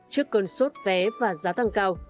trước cơn sốt vé và giá tăng cao